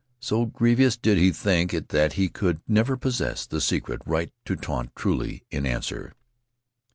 So grievous did he think it that he could never possess the secret right to taunt truly in answer.